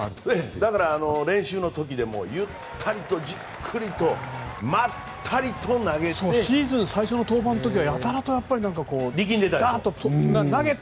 だから、練習の時でもゆったりとじっくりとシーズン最初の当番の時は力んでいたでしょ。